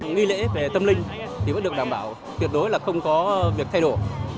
nghi lễ về tâm linh thì vẫn được đảm bảo tuyệt đối là không có việc thay đổi